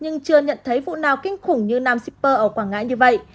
nhưng chưa nhận thấy vụ nào kinh khủng như nam shipper ở quảng ngãi như vậy